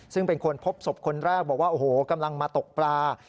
ซึ่งเป็นคนพบศพคนแรกบอกว่าโอ้โหกำลังมาตกปลา